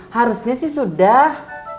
harusnya sih sudah